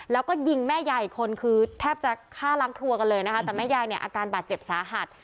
แล้วก็ยิงแม่ยายอีกคนคือแทบจะฆ่าล้างครัวกันเลยนะคะแต่แม่ยายเนี่ยอาการบาดเจ็บสาหัส